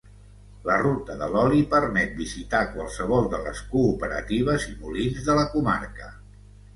La ruta de l'oli permet visitar qualsevol de les cooperatives i molins de la comarca.